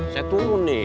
saya turun nih